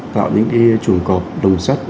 tạo những chuồng cọp đồng sắt